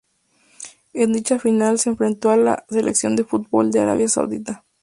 En dicha final se enfrentó a la Selección de fútbol de Arabia Saudita.